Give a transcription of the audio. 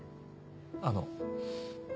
あの。